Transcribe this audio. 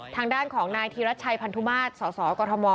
ทางด้านของนายธีรัชชัยพันธุมาตรสสกม